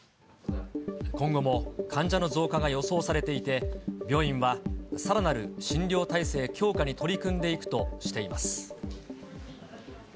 今後も患者の増加が予想されていて、病院はさらなる診療体制強化に取り組んでいくとしています。